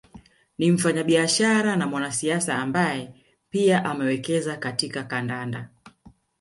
Ni mfanyabiashara na mwanasiasa ambaye pia amewekeza katika kandanda